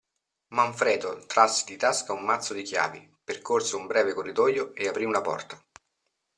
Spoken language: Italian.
Manfredo trasse di tasca un mazzo di chiavi, percorse un breve corridoio e aprì una porta.